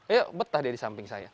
ya betah dia di samping saya